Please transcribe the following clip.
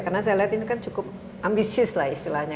karena saya lihat ini kan cukup ambisius lah istilahnya